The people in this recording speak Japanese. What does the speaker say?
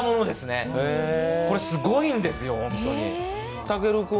これ、すごいんですよ。